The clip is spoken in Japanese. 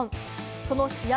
その試合